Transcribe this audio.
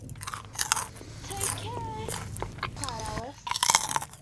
‘Take care!’ cried Alice.